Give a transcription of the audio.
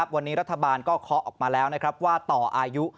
วันนี้รัฐบาลก็เคาะออกมาแล้วว่าต่ออายุ